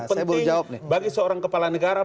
penting bagi seorang kepala negara